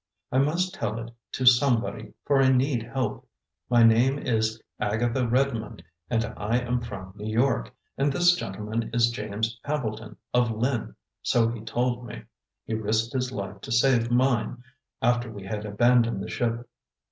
I must tell it to somebody, for I need help. My name is Agatha Redmond, and I am from New York; and this gentleman is James Hambleton of Lynn so he told me. He risked his life to save mine, after we had abandoned the ship."